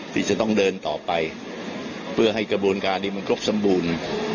ที่จะต้องเดินต่อไปเพื่อให้กระบวนการนี้มันครบสมบูรณ์